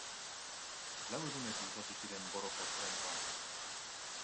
Lau egunez luzatu ziren borrokak oraingoan.